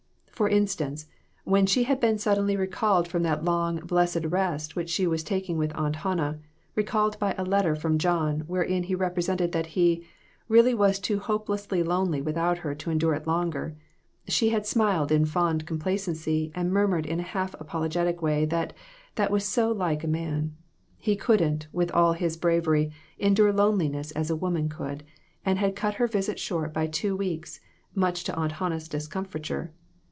196 CROSS LOTS. For instance, when she had been suddenly recalled from that long, blessed rest which she was taking with Aunt Hannah, recalled by a let ter from John, wherein he represented that he "really was too hopelessly lonely without her to endure it longer," she had smiled in fond compla cency and murmured in a half apologetic way that that was so like a man. He couldn't, with all his bravery, endure loneliness as a woman could, and had cut her visit short by two weeks, much to Aunt Hannah's discomfiture.